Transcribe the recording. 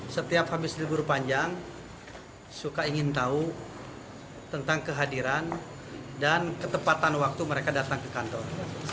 setiap habis libur panjang suka ingin tahu tentang kehadiran dan ketepatan waktu mereka datang ke kantor